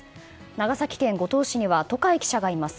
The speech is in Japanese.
長崎県五島市には渡海記者がいます。